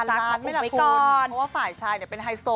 พันล้านไม่ละพูดเพราะว่าฝ่ายชายเนี่ยเป็นไฮโซ